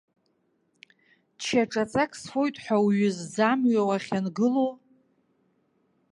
Ча ҿаҵак сфоит ҳәа уҩыззӡа амҩа уахьангылоу?!